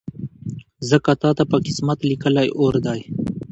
ځکه تاته په قسمت لیکلی اور دی